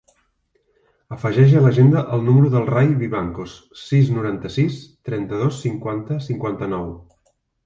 Afegeix a l'agenda el número del Rai Vivancos: sis, noranta-sis, trenta-dos, cinquanta, cinquanta-nou.